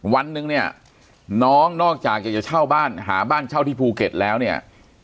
วันหนึ่งเนี่ยน้องนอกจากอยากจะเช่าบ้านหาบ้านเช่าที่ภูเก็ตแล้วเนี่ย